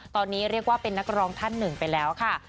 ตอนนี้เรียกว่าเป็นนักร้องท่านหนึ่งไปแล้วค่ะ